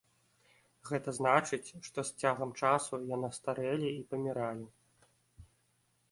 Гэта значыць, што з цягам часу яны старэлі і паміралі.